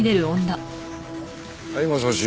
はいもしもし。